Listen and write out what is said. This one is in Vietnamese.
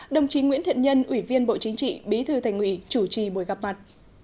đồng chí nguyễn thiện nhân ủy viên bộ chính trị bí thư thành ủy chủ trì buổi gặp mặt